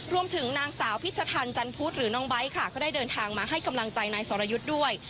รวมถึงนางสาวพิชทันจันพุทธหรือน้องไบท์ค่ะก็ได้เดินทางมาให้กำลังใจนายสรยุทธ์ด้วย